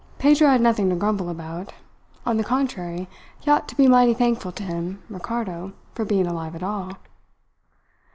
Pedro had nothing to grumble about. On the contrary, he ought to be mighty thankful to him, Ricardo, for being alive at all.